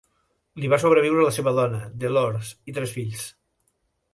Li va sobreviure la seva dona, DeLores, i tres fills.